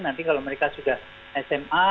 nanti kalau mereka sudah sma